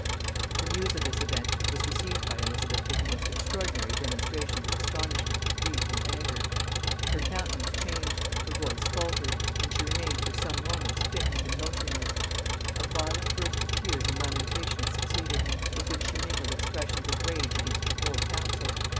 The news of this event was received by Elizabeth with the most extraordinary demonstrations of astonishment, grief, and anger. Her countenance changed, her voice faltered, and she remained for some moments fixed and motionless; a violent burst of tears and lamentations succeeded, with which she mingled expressions of rage against her whole council.